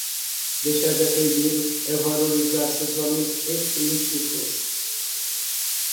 Deixar de atendê-lo é valorizar seus valores extrínsecos